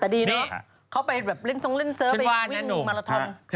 เนี้ยอยู่ไม่วิวแปลงเรื่องความสัมพันธ์